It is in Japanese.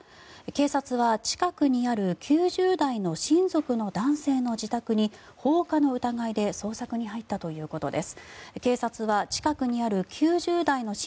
警察は近くにある９０代の親族の男性の自宅に放火の疑いで捜索に入ったということです。